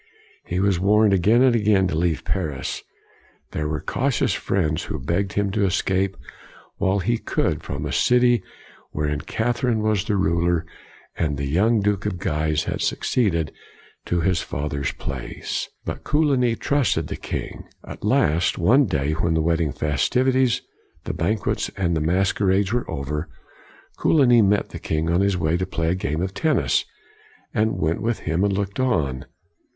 He was warned again and again to leave Paris. There were cautious friends who begged him to escape while he could from a city wherein Catherine was the ruler, and the young Duke of Guise had succeeded to his father's place. But Coligny trusted the king. At last, one day, when the wedding fes tivities, the banquets, and the masquerades were over, Coligny met the king on his way to play a game of tennis, and went with him and looked on.